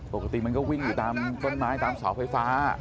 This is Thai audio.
ปกติมันก็วิ่งอยู่ตามต้นไม้ตามเสาไฟฟ้า